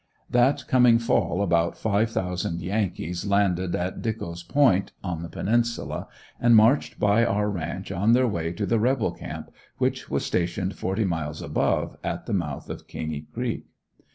That coming fall about five thousand Yankees landed at Deckrows Point on the Peninsula and marched by our ranch on their way to the rebel camp which was stationed forty miles above, at the mouth of Caney Creek.